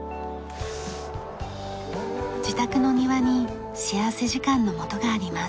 自宅の庭に幸福時間のもとがあります。